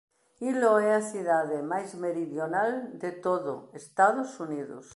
Hilo é a cidade máis meridional de todo Estados Unidos.